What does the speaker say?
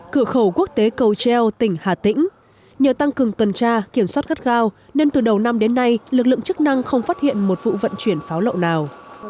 cửa khẩu quốc tế cầu treo tỉnh hà tĩnh nhờ tăng cường tuần tra kiểm soát gắt gao nên từ đầu năm đến nay lực lượng chức năng không phát hiện một vụ vận chuyển pháo lậu nào